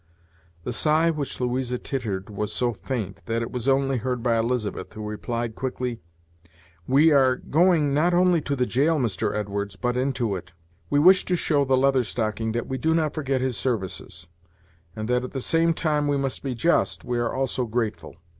The sigh which Louisa tittered was so faint, that it was only heard by Elizabeth, who replied quickly, "We are going not only to the jail, Mr. Edwards' but into it. We wish to show the Leather Stocking that we do not forget his services, and that at the same time we must be just, we are also grateful.